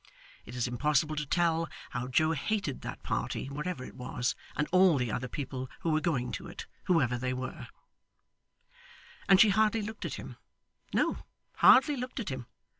It is impossible to tell how Joe hated that party wherever it was, and all the other people who were going to it, whoever they were. And she hardly looked at him no, hardly looked at him.